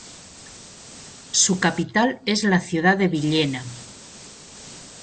Su capital es la ciudad de Villena.